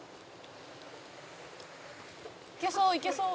「いけそういけそう」